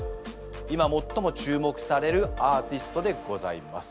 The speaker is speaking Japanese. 今最も注目されるアーティストでございます。